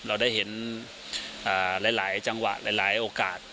เราได้เห็นหลายจังหวะหลายโอกาส